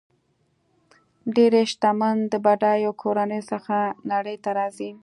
ډېری شتمن د بډایو کورنیو څخه نړۍ ته راځي.